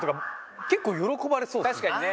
確かにね。